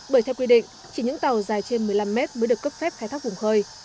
bởi theo quy định chỉ những tàu dài trên một mươi năm mét mới được cấp phép khai thác vùng khơi